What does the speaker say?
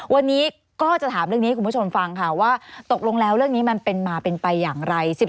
วันนี้ก็จะถามเรื่องนี้ให้คุณผู้ชมฟังค่ะว่าตกลงแล้วเรื่องนี้มันเป็นมาเป็นไปอย่างไร